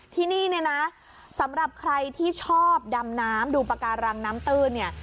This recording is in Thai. ที่นี่เนี่ยนะสำหรับใครที่ชอบดำน้ำดูปากการังน้ำตื้นเนี่ย